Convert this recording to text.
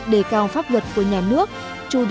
để cao pháp luật của nhà nước